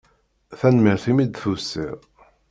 Tanemmirt imi d-tusiḍ.